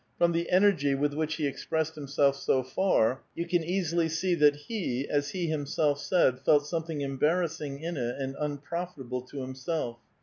From the energy with which he expressed iiimself so far, you can easily see that he, as he himself said, felt something embarrassing in it and unprofitable to himself.